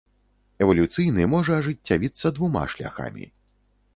Эвалюцыйны можа ажыццявіцца двума шляхамі.